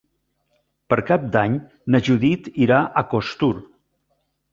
Per Cap d'Any na Judit irà a Costur.